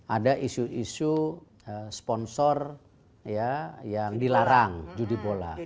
ada isu isu sponsor yang dilarang judi bola